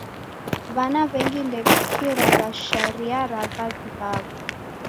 W'ana w'engi ndew'isikiragha sharia ra w'avi w'aw'o.